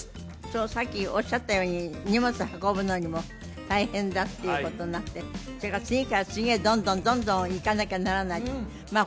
そうさっきおっしゃったように荷物運ぶのにも大変だっていうことなんでそれが次から次へどんどんどんどん行かなきゃならないまあ